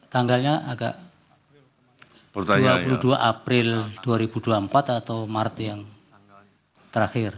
tanggalnya agak dua puluh dua april dua ribu dua puluh empat atau maret yang terakhir